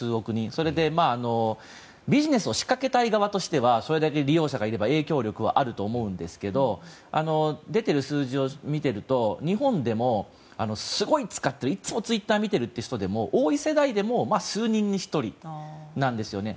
それでビジネスを仕掛けたい側としてはそれだけ利用者がいれば影響力はあると思いますが出てる数字を見ていると日本でもすごい使ってるいつもツイッター見てるという人でも多い世代でも数人に１人なんですよね。